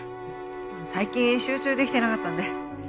最近集中できてなかったんで。